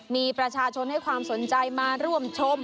มีประชาชนให้ความสนใจมาร่วมชม